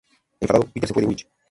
Enfadado, Peter se fue de Urich.